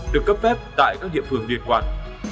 được cấp phép tại các địa phương liệt quản